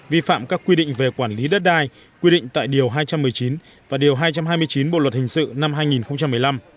vi phạm các quy định về quản lý đất đai quy định tại điều hai trăm một mươi chín và điều hai trăm hai mươi chín bộ luật hình sự năm hai nghìn một mươi năm